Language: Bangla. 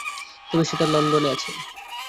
তবে সেটা লন্ডনে আছে।